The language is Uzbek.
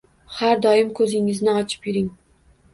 Har doim ko’zingizni ochib yuring